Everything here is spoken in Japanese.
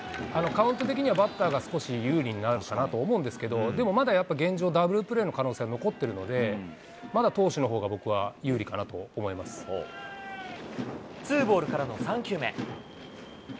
カウント的には、バッターのほうが少し有利になるかなと思うんですけれども、でもまだ、やっぱ現状、ダブルプレーの可能性残ってるので、まだ投手のほうツーボールからの３球目。